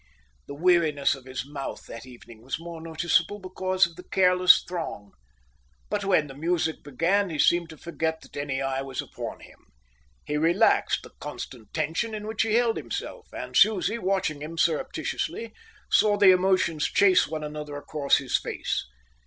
The weariness of his mouth that evening was more noticeable because of the careless throng. But when the music began he seemed to forget that any eye was upon him; he relaxed the constant tension in which he held himself; and Susie, watching him surreptitiously, saw the emotions chase one another across his face.